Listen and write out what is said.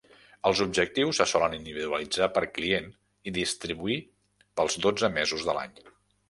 Els objectius se solen individualitzar per client i distribuir pels dotze mesos de l'any.